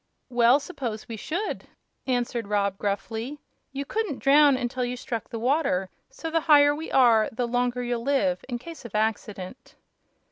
"Well, s'pose we should?" answered Rob, gruffly. "You couldn't drown until you struck the water, so the higher we are the longer you'll live in case of accident."